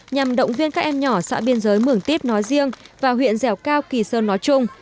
nhằm động viên các em nhỏ xã biên giới mường tiếp nói riêng và huyện dẻo cao kỳ sơn nói chung